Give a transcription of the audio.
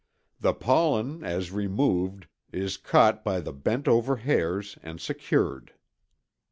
The pollen, as removed, is caught by the bent over hairs, and secured.